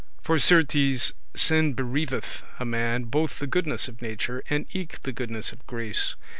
For certes, sin bereaveth a man both the goodness of nature, and eke the goodness of grace.